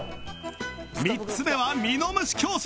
３つ目はミノムシ競争